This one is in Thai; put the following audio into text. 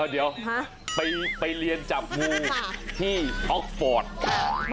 เดี๋ยวไปเรียนจับงูที่ออกฟอร์ต